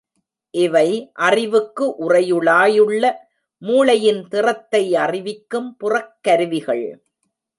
இவை, அறிவுக்கு உறையுளாயுள்ள மூளையின் திறத்தை அறிவிக்கும் புறக்கருவிகள்.